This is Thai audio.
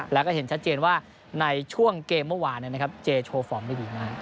แล้วก็เห็นชัดเจนว่าในช่วงเกมเมื่อวานเจโชว์ฟอร์มได้ดีมาก